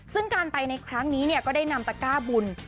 ซึ่งการไปในครั้งนี้ก็ได้นำตะก้าบุญ